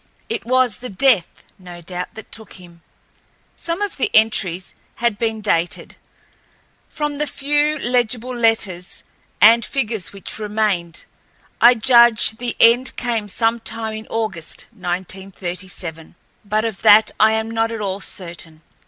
It was the Death, no doubt, that took him. Some of the entries had been dated. From the few legible letters and figures which remained I judge the end came some time in August, 1937, but of that I am not at all certain.